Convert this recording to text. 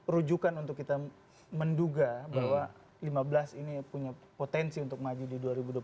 rujukan untuk kita menduga bahwa lima belas ini punya potensi untuk maju di dua ribu dua puluh empat